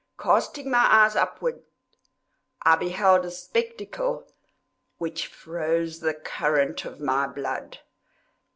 Casting my eyes upwards, I beheld a spectacle which froze the current of my blood.